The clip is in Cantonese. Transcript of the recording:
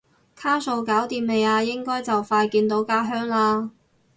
卡數搞掂未啊？應該就快見到家鄉啦？